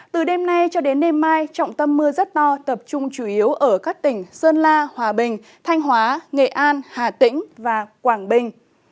từ đêm nay cho đến đêm mai trọng tâm mưa rất to tập trung chủ yếu ở các tỉnh sơn la hòa bình thanh hóa nghệ an hà tĩnh và quảng bình